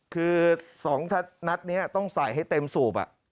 คือ๒นัดนี้ต้องใส่ให้เต็มสูบ